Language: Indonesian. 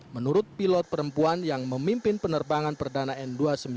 menurut pilot perempuan yang memimpin penerbangan perdana n dua ratus sembilan puluh